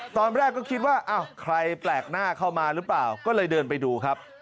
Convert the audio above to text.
ตอนแรกก็คิดว่าอ้าวใครแปลกหน้าเข้ามาหรือเปล่าก็เลยเดินไปดูครับ